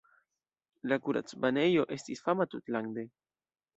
La kuracbanejo estis fama tutlande.